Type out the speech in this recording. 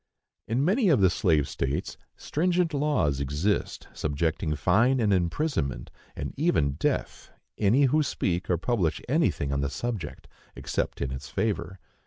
In many of the slave states stringent laws exist, subjecting to fine and imprisonment, and even death, any who speak or publish anything upon the subject, except in its favor.